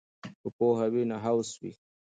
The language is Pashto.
که پوهه وي نو هوس وي.